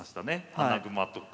穴熊とか。